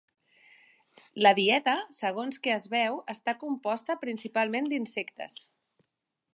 La dieta, segons que es veu, està composta principalment d'insectes.